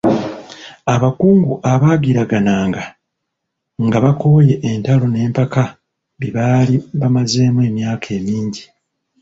Abakungu abaagiragaana nga bakooye entalo n'empaka bye baali bamazeemu emyaka emingi.